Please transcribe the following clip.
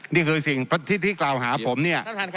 นี่คือสิ่งที่กล่าวหาผมเนี่ย